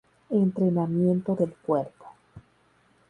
Entrenamiento del cuerpo